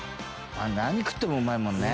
何食ってもうまいもんね。